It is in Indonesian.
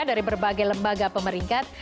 dari berbagai lembaga pemeringkat